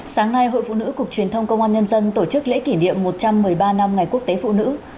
sáng nay hội phụ nữ cục truyền thông công an nhân dân tổ chức lễ kỷ niệm một trăm một mươi ba năm ngày quốc tế phụ nữ